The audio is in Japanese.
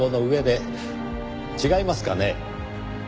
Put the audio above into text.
違いますかね？